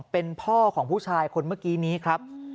เป็นพ่อของผู้ชายคนเมื่อกี้นี้ครับ